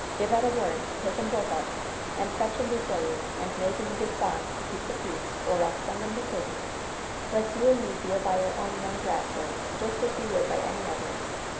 Give out a warrant to take 'em both up, and fetch 'em before you, and make 'em give bonds to keep the peace, or else send 'em to prison! Let's you and me deal by our own young rascals just as we would by any other's.